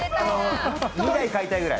２台買いたいぐらい。